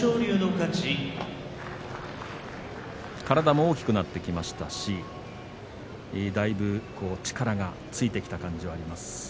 体も大きくなってきましたしだいぶ力がついてきた感じがあります。